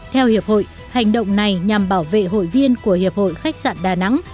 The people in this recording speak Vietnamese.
theo hiệp hội hành động này nhằm bảo vệ hội viên của hiệp hội khách sạn đà nẵng